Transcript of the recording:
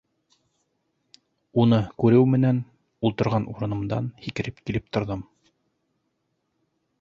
Уны күреү менән, ултырған урынымдан һикереп килеп торҙом.